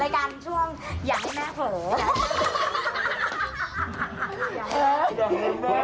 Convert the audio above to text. สายทางของแม่ย่างแล้วเลย